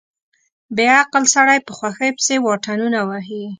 بې عقل سړی په خوښۍ پسې واټنونه وهي.